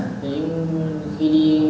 đấy khi đi